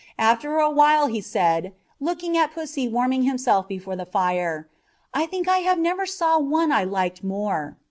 After a while he said, looking at "Pussy" warming himself before the fire, "I think I never saw one I liked more."